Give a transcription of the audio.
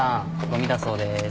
ごみだそうです。